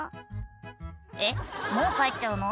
「えっもう帰っちゃうの？」